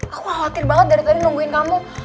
aku khawatir banget dari tadi nungguin kamu